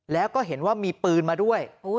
แล้วก็เห็นว่ามีปืนมาด้วย